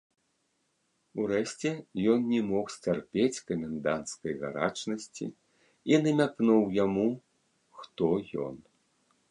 Урэшце, ён не мог сцярпець каменданцкай гарачнасці і намякнуў яму, хто ён.